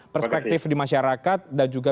perspektif di masyarakat dan juga